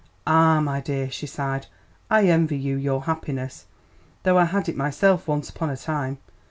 "Ah, my dear," she sighed, "I envy you your happiness, though I had it myself once upon a time.